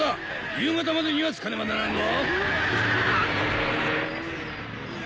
夕方までには着かねばならんぞ！